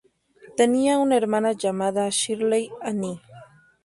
Tenía una hermana llamada Shirley Anne.